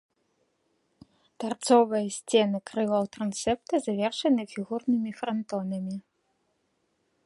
Тарцовыя сцены крылаў трансепта завершаны фігурнымі франтонамі.